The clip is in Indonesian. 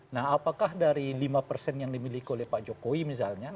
nah apakah dari lima persen yang dimiliki oleh pak jokowi misalnya